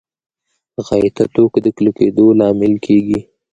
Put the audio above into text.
غایطه توکو د کلکېدو لامل کېږي.